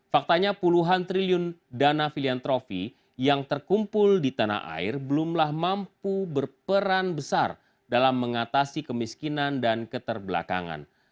faktanya puluhan triliun dana filiantrofi yang terkumpul di tanah air belumlah mampu berperan besar dalam mengatasi kemiskinan dan keterbelakangan